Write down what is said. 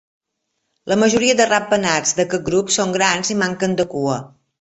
La majoria de ratpenats d'aquest grup són grans i manquen de cua.